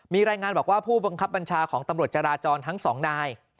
มีรายงานบอกว่าผู้บังคับบัญชาของตำรวจจราจรทั้งสองนาย